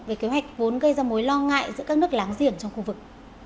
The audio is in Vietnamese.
về kế hoạch vốn gây ra mối lo ngại giữa các nước láng giềng trong khu vực